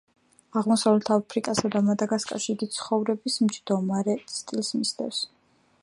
აღმოსავეთ აფრიკასა და მადაგასკარში იგი ცხოვრების მჯდომარე სტილს მისდევს.